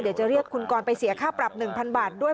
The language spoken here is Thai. เดี๋ยวจะเรียกคุณกรไปเสียค่าปรับ๑๐๐บาทด้วย